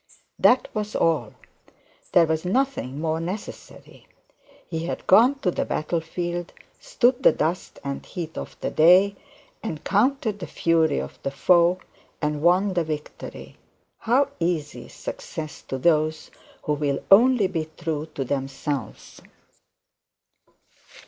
That was all. There was nothing more necessary. He had gone to the battle field, stood the dust and heat of the day, encountered the fury of the foe, and won the victory. How easy is success to those who will only be true to themselves!